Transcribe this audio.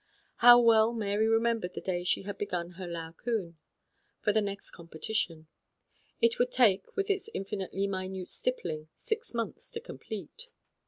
How well Mary remembered the day she had begun her "Laocoon," for the Royal Academy competition. It would take, with its infinitely minute stippling, six months to complete.